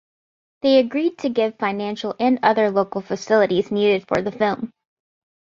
They agreed to give financial and other local facilities needed for the film.